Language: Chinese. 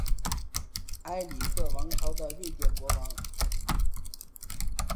埃里克王朝的瑞典国王。